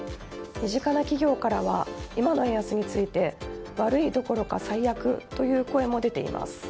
身近な企業からは今の円安に悪いどころか最悪という声も出ています。